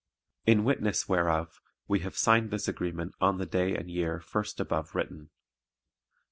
IN WITNESS WHEREOF we have signed this agreement on the day and year first above written.